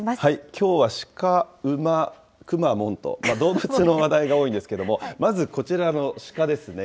きょうは鹿、馬、くまモンと、動物の話題が多いんですけれども、まずこちらの鹿ですね。